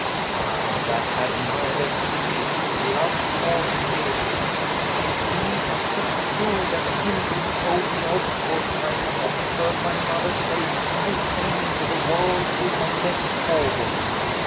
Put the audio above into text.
Stabs him againe. I that haue neyther pitty, loue, nor feare, Indeed 'tis true that Henrie told me of: For I haue often heard my Mother say, I came into the world with my Legges forward.